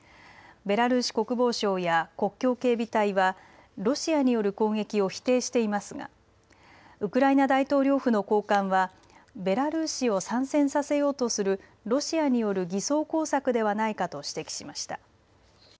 ベラルーシ国防省や国境警備隊はロシアによる攻撃を否定していますがウクライナ大統領府の高官はベラルーシを参戦させようとするロシアによる偽装工作ではないかと指摘しました。